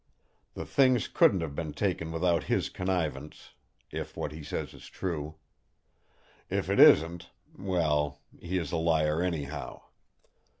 The things couldn't have been taken without his connivance—if what he says is true. If it isn't—well! he is a liar anyhow.